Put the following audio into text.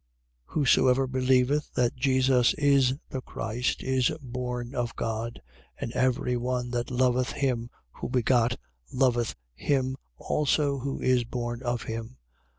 5:1. Whosoever believeth that Jesus is the Christ, is born of God. And every one that loveth him who begot, loveth him also who is born of him.